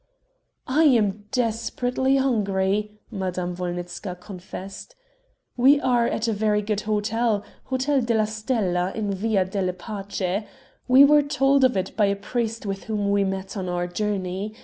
"I am desperately hungry," Madame Wolnitzka confessed. "We are at a very good hotel Hotel della Stella, in Via della Pace; we were told of it by a priest with whom we met on our journey.